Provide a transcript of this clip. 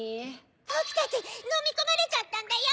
ボクたちのみこまれちゃったんだよ！